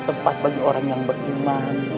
tempat bagi orang yang beriman